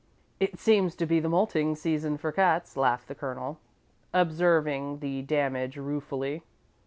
"It seems to be the moulting season for cats," laughed the Colonel, observing the damage ruefully.